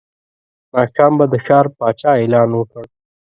ماښام به د ښار پاچا اعلان وکړ.